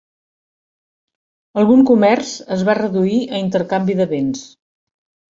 Algun comerç es va reduir a intercanvi de bens.